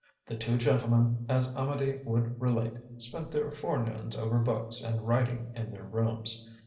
The two gentlemen, as Amedee would relate, spent their forenoons over books and writing in their rooms.